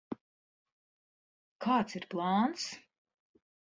Kāds ir plāns?